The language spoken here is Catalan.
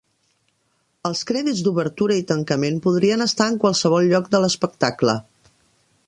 Els crèdits d'obertura i tancament podrien estar en qualsevol lloc de l'espectacle.